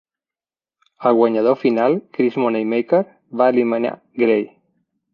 El guanyador final, Chris Moneymaker, va eliminar Grey.